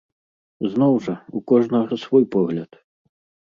Зноў жа, у кожнага свой погляд.